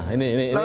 ini perlu catat ini